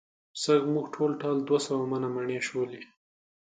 سږ مو ټول ټال دوه سوه منه مڼې شولې.